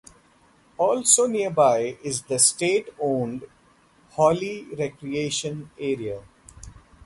Also nearby is the state owned Holly Recreation Area.